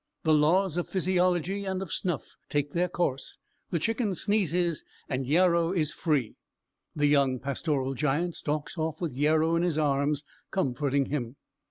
The laws of physiology and of snuff take their course; the Chicken sneezes, and Yarrow is free! The young pastoral giant stalks off with Yarrow in his arms comforting him.